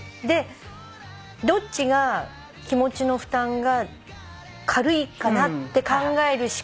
でどっちが気持ちの負担が軽いかなって考えるしかない。